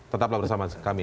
tetaplah bersama kami